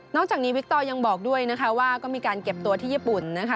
จากนี้วิกตอยังบอกด้วยนะคะว่าก็มีการเก็บตัวที่ญี่ปุ่นนะคะ